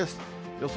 予想